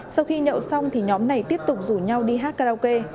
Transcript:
sau khi nhậu xong thì nhóm này tiếp tục rủ nhau đi hát karaoke